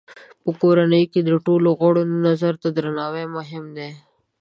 په کورنۍ کې د ټولو غړو نظر ته درناوی مهم دی.